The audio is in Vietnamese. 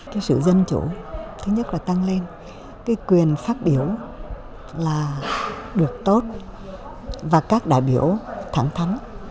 cái sự dân chủ thứ nhất là tăng lên cái quyền phát biểu là được tốt và các đại biểu thẳng thắn